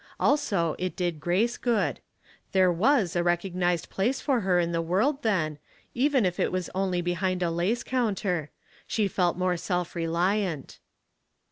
Also, it did Grace good. There was a recognized place for her in the world, then, even if it was only behind a lace counter. She felt more self reliant.